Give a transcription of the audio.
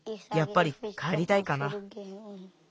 やっぱりかえりたいかな。